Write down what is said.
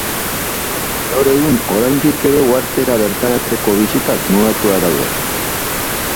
Gaur egun oraindik ere uhartera bertaratzeko bisitak mugatuak daude.